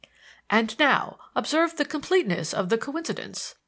"And now observe the completeness of the coincidence.